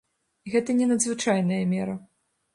Гэта не надзвычайная мера.